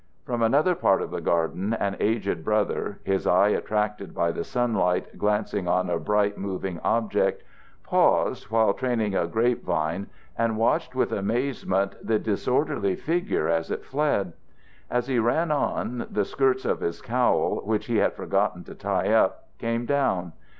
From another part of the garden an aged brother, his eye attracted by the sunlight glancing on a bright moving object, paused while training a grape vine and watched with amazement the disorderly figure as it fled. As he ran on, the skirts of his cowl, which he had forgotten to tie up, came down.